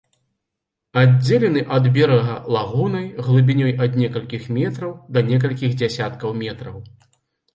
Аддзелены ад берага лагунай глыбінёй ад некалькіх метраў да некалькіх дзясяткаў метраў.